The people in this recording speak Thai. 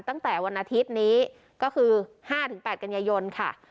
ตั้งแต่วันอาทิตย์นี้ก็คือห้าถึงแปดกันยายนค่ะ